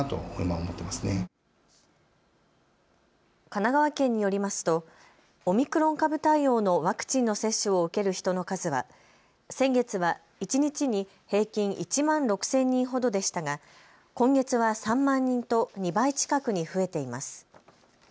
神奈川県によりますとオミクロン株対応のワクチンの接種を受ける人の数は先月は一日に平均１万６０００人ほどでしたが、今月は３万人と２倍近くに増えています。